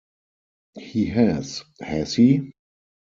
He has, has he?